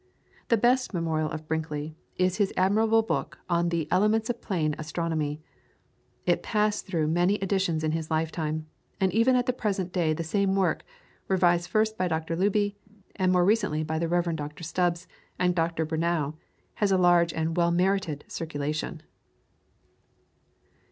The best memorial of Brinkley is his admirable book on the "Elements of Plane Astronomy." It passed through many editions in his lifetime, and even at the present day the same work, revised first by Dr. Luby, and more recently by the Rev. Dr. Stubbs and Dr. Brunnow, has a large and well merited circulation.